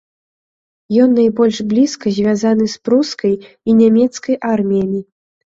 Ён найбольш блізка звязаны з прускай і нямецкай арміямі.